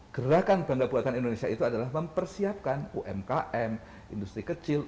gerakan bangga buatan indonesia itu adalah mempersiapkan umkm industri kecil